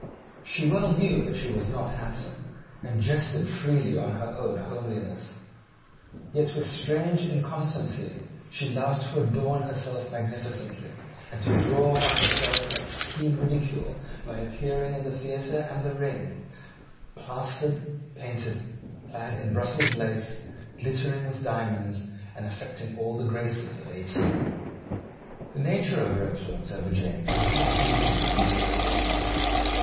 She well knew that she was not handsome, and jested freely on her own homeliness. Yet, with strange inconsistency, she loved to adorn herself magnificently, and drew on herself much keen ridicule by appearing in the theatre and the ring plastered, painted, clad in Brussels lace, glittering with diamonds, and affecting all the graces of eighteen. The nature of her influence over James is not easily to be explained.